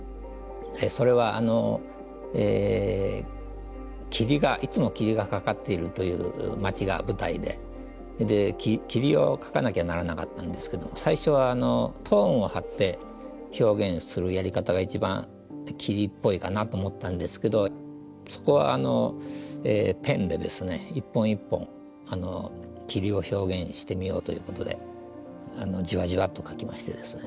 それは霧がいつも霧がかかっているという町が舞台でで霧を描かなきゃならなかったんですけど最初はトーンを貼って表現するやり方が一番霧っぽいかなと思ったんですけどそこはペンでですね一本一本霧を表現してみようということでじわじわっと描きましてですね